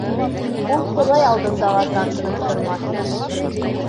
Ул Хоҙай алдында ла тартынып тормаҫ ине.